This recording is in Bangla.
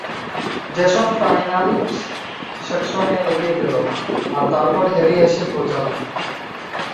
জেসন ফাইন্যাল সেকশনে এগিয়ে গেল, আর তারপর হ্যারি এসে পৌঁছাল।